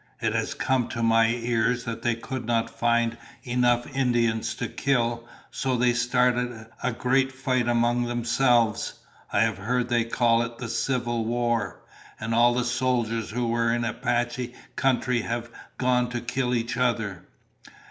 "It has come to my ears that they could not find enough Indians to kill, so they started a great fight among themselves. I have heard they call it the Civil War, and all the soldiers who were in Apache country have gone to kill each other."